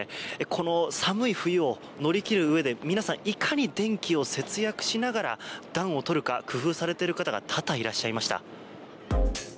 この寒い冬を乗り切るうえで皆さんいかに電気を節約しながら暖をとるか工夫されている方が多々いらっしゃいました。